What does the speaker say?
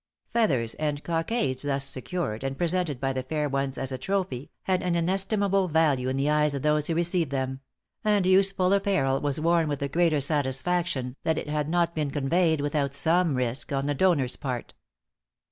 Feathers and cockades thus secured, and presented by the fair ones as a trophy, had an inestimable value in the eyes of those who received them; and useful apparel was worn with the greater satisfaction, that it had not been conveyed without some risk on the donor's part.